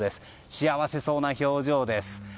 幸せそうな表情です。